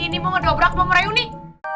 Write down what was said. ini mau ngedobrak mau merayu nih